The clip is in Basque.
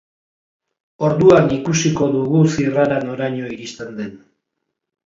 Orduan ikusiko dugu zirrara noraino iristen den.